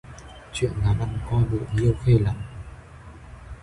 Chuyện làm ăn coi bộ nhiêu khê lắm